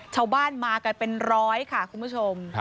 ชาวบ้านมากันเป็นร้อยค่ะคุณผู้ชม